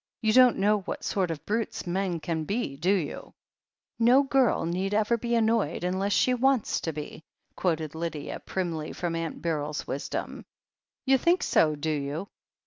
"You don't know what sort of brutes men can be, do you ?" "No girl need ever be annoyed — ^unless she wants to be," quoted Lydia primly from Aunt Beryl's wis dom. "You think so, do you?